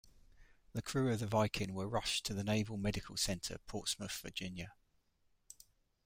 The crew of the Viking were rushed to the Naval Medical Center Portsmouth, Virginia.